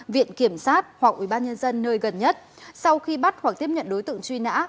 viện kiểm sát hoặc ubnd nơi gần nhất sau khi bắt hoặc tiếp nhận đối tượng truy nã